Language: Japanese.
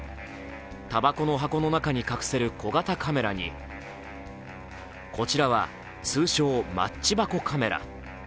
たばこの箱の中に隠せる小型カメラにこちらは通称、マッチ箱カメラ。